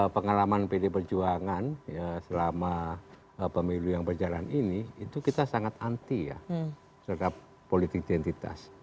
pengalaman pd perjuangan selama pemilu yang berjalan ini itu kita sangat anti ya terhadap politik identitas